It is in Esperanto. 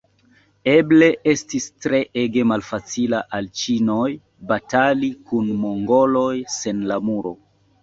Eble estis treege malfacila al ĉinoj batali kun mongoloj sen la Muro.